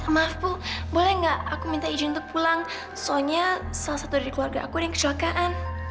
maaf bu boleh gak aku minta izin untuk pulang soalnya salah satu dari keluarga aku ada yang kecelakaan